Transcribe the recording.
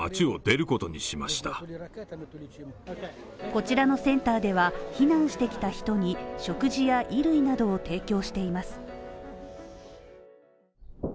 こちらのセンターでは避難してきた人に食事や衣類などを提供しています。